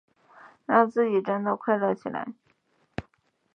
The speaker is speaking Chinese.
让自己真的快乐起来